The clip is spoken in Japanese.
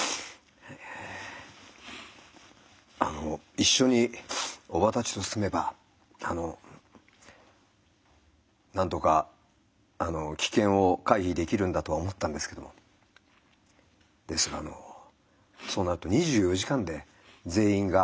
一緒に叔母たちと住めばなんとか危険を回避できるんだとは思ったんですけどもですがそうなると２４時間で全員が祖母と向き合うんですね。